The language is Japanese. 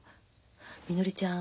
みのりちゃん